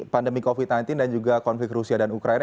pandemi covid sembilan belas dan juga konflik rusia dan ukraina